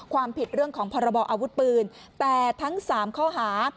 ความผิดเรื่องของพรบออาวุธปืนแต่ทั้ง๓ข้อหา